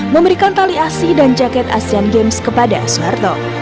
memberikan tali asli dan jaket asean games kepada suharto